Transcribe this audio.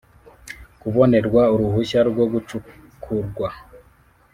Kubonerwa uruhushya rwo gucukurwa